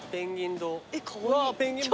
ペンギン堂。